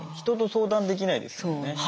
人と相談できないですよね。